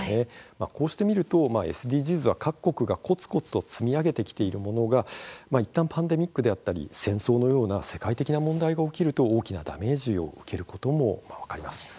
こうして見るとＳＤＧｓは各国がこつこつ積み上げてきているものがパンデミックであったり戦争のような世界的な問題が起きると大きなダメージを受けることも分かります。